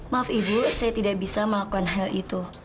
maaf ibu saya tidak bisa melakukan hal itu